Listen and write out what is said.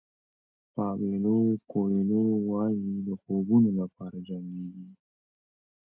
پاویلو کویلو وایي د خوبونو لپاره جنګېږئ.